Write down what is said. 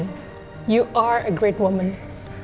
kamu adalah wanita yang bagus